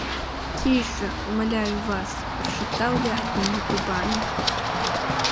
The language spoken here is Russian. — Тише, умоляю вас, — прошептал я одними губами.